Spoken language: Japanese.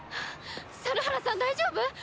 猿原さん大丈夫？